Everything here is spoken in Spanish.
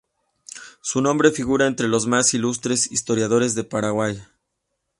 Su nombre figura entre los más ilustres historiadores del Paraguay.